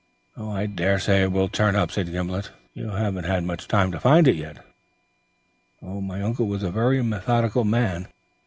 "Oh, I daresay it will turn up," said Gimblet. "You haven't had much time to find it yet." "My uncle was a very methodical man.